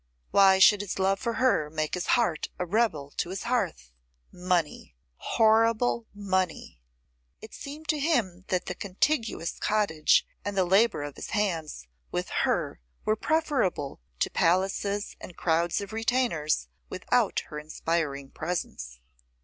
Why should his love for her make his heart a rebel to his hearth? Money! horrible money! It seemed to him that the contiguous cottage and the labour of his hands, with her, were preferable to palaces and crowds of retainers without her inspiring presence.